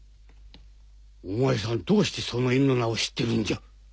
お前さんどうしてその犬の名を知ってるんじゃ？